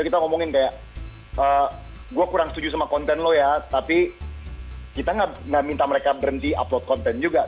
kita ngomongin kayak gue kurang setuju sama konten lo ya tapi kita nggak minta mereka berhenti upload konten juga